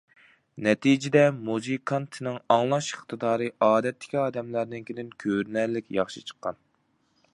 نەتىجىدە، مۇزىكانتنىڭ ئاڭلاش ئىقتىدارى ئادەتتىكى ئادەملەرنىڭكىدىن كۆرۈنەرلىك ياخشى چىققان.